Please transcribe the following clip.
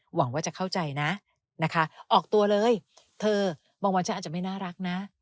หวังว่าจะเข้าใจนะนะคะออกตัวเลยเธอบางวันฉันอาจจะไม่น่ารักนะ